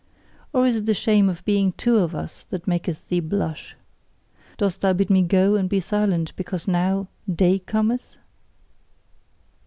Or is it the shame of being two of us that maketh thee blush! Dost thou bid me go and be silent, because now DAY cometh?